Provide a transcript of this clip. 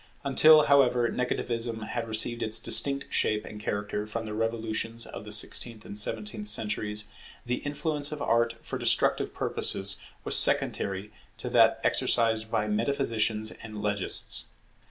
Until, however, Negativism had received its distinct shape and character from the revolutions of the sixteenth and seventeenth centuries, the influence of Art for destructive purposes was secondary to that exercised by metaphysicians and legists.